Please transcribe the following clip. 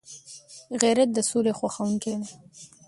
غیرت د سولي خوښونکی دی